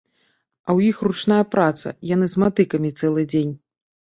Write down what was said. А ў іх ручная праца, яны з матыкамі цэлы дзень.